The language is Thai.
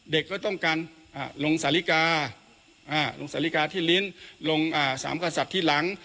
ก็ต้องการลงสาลิกาลงสาลิกาที่ลิ้นลงสามกษัตริย์ที่หลัง